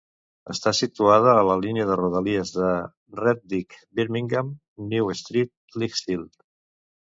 Està situada a la línia de rodalies de Redditch-Birmingham New Street-Lichfield.